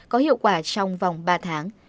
có hiệu quả trong vòng ba tháng